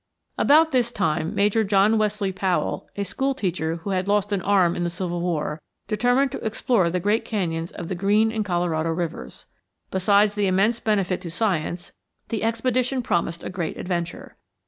About this time Major John Wesley Powell, a school teacher who had lost an arm in the Civil War, determined to explore the great canyons of the Green and Colorado Rivers. Besides the immense benefit to science, the expedition promised a great adventure.